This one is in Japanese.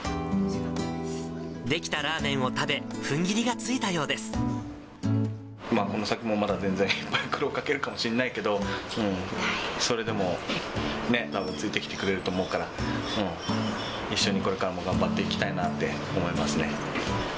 出来たラーメンを食べ、この先もまだ全然、いっぱい苦労かけるかもしんないけど、それでもたぶんついてきてくれると思うから、一緒にこれからも頑張っていきたいなって思いますね。